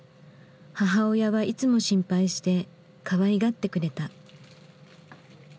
母親はいつも心配してかわいがってくれた。